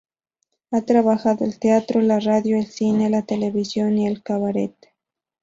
Ha trabajado el teatro, la radio, el cine, la televisión y el cabaret.